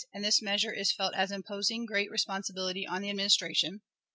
And this measure is felt as imposing great responsibility on the Administration.